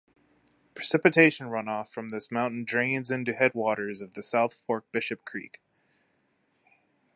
Precipitation runoff from this mountain drains into headwaters of the South Fork Bishop Creek.